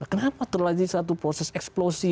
kenapa terlanjut satu proses eksplosi